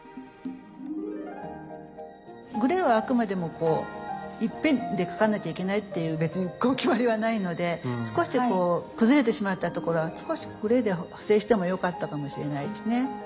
グレーはあくまでもこう一遍で描かなきゃいけないっていう別に決まりはないので少し崩れてしまったところは少しグレーで補整してもよかったかもしれないですね。